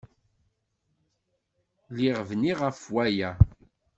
Lliɣ bniɣ ɣef waya!